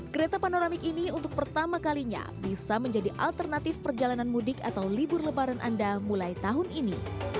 kereta panoramik ini untuk pertama kalinya bisa menjadi alternatif perjalanan mudik atau libur lebaran anda mulai tahun ini